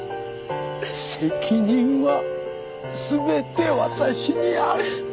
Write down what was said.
責任は全て私にある！